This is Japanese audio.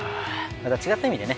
また違った意味でね